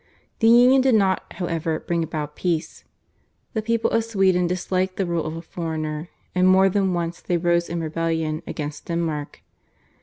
The Union did not, however, bring about peace. The people of Sweden disliked the rule of a foreigner, and more than once they rose in rebellion against Denmark.